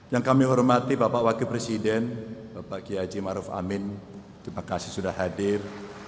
yang kami hormati bapak wakil presiden bapak kiai haji maruf amin terima kasih sudah hadir